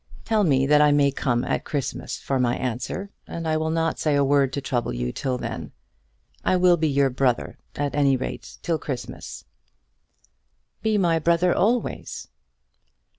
Tell me that I may come at Christmas for my answer, and I will not say a word to trouble you till then. I will be your brother, at any rate till Christmas." "Be my brother always."